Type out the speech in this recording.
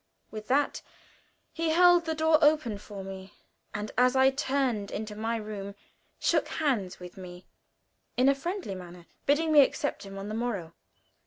With that he held the door open for me, and as I turned into my room, shook hands with me in a friendly manner, bidding me expect him on the morrow.